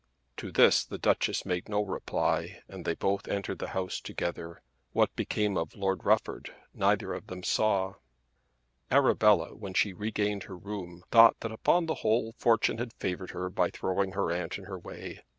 To this the Duchess made no reply, and they both entered the house together. What became of Lord Rufford neither of them saw. Arabella when she regained her room thought that upon the whole fortune had favoured her by throwing her aunt in her way.